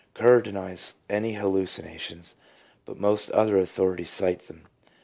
7 Kerr denies any hallucinations, but most other authorities cite them.